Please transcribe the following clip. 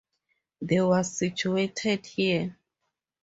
The was situated here.